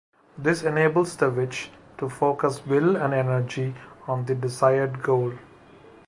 This enables the witch to focus will and energy on the desired goal.